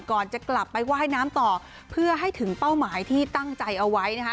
ก่อนจะกลับไปว่ายน้ำต่อเพื่อให้ถึงเป้าหมายที่ตั้งใจเอาไว้นะคะ